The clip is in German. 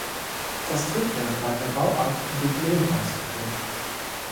Das Triebwerk war in der Bauart de Glehn ausgeführt.